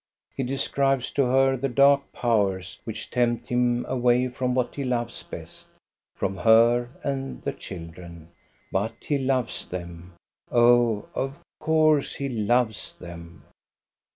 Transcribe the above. He describes to her the dark powers which tempt him away from what he loves best, — from her and the children. But he loves them. Oh, of course he loves them